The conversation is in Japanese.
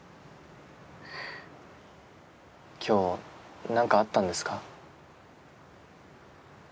今日何かあったんですか？